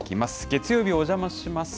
月曜日、おじゃまします！